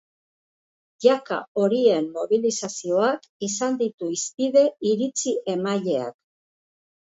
Jaka horien mobilizazioak izan ditu hizpide iritzi-emaileak.